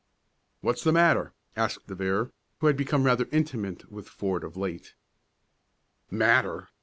"What's the matter?" asked De Vere, who had become rather intimate with Ford of late. "Matter!